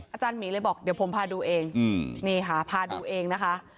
อาจารย์หมีเลยบอกเดี๋ยวผมพาดูเองนี่ค่ะพาดูเองนะคะ